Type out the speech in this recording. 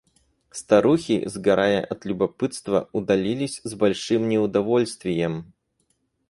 Старухи, сгорая от любопытства, удалились с большим неудовольствием.